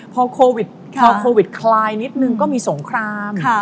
พอโควิดคลายนิดนึงก็มีสงคราม